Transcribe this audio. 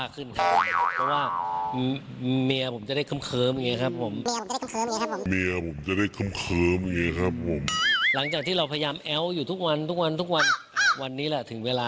เค้าก็นุกจักแล้วเหรอ